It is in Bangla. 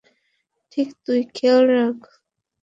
ঠিক, তুই খেয়াল রাখ।